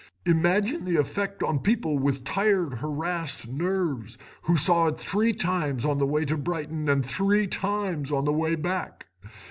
Imagine the effect on people with tired, harassed nerves who saw it three times on the way to Brighton and three times on the way back.